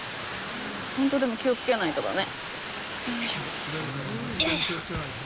ほんとでも、気をつけないとだね。